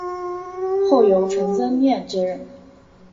后由陈增稔接任。